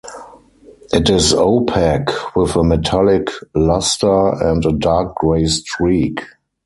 It is opaque with a metallic luster and a dark gray streak.